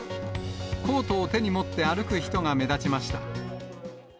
コートを手に持って歩く人が目立ちました。